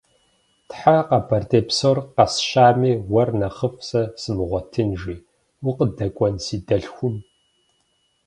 Тхьэ, Къэбэрдей псор къэсщами, уэр нэхъыфӏ сэ сымыгъуэтын!- жи. - Укъыдэкӏуэн си дэлъхум?